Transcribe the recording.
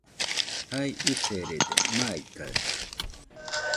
Jai userede, maikaɨ